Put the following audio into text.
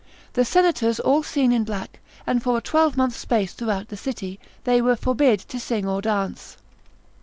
The senators all seen in black, and for a twelvemonth's space throughout the city, they were forbid to sing or dance.